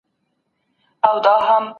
خپل مخ په پاکو اوبو ومینځئ.